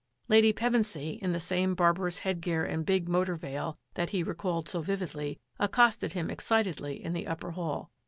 Lady Pevensy, in the same barbarous headgear and big motor veil that he recalled so vividly, ac costed him excitedly in the upper hall.